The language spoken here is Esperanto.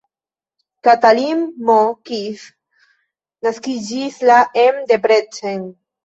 Katalin M. Kiss naskiĝis la en Debrecen.